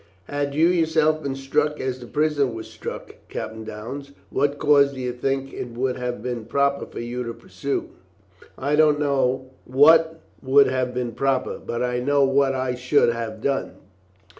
"Had you yourself been struck as the prisoner was struck, Captain Downes, what course do you think it would have been proper for you to pursue?" "I don't know what would have been proper, but I know what I should have done.